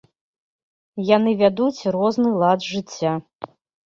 Яны вядуць розны лад жыцця.